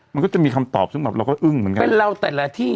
มันก็จะมีคำตอบซึ่งแบบเราก็อึ้งเหมือนกันเป็นเราแต่ละที่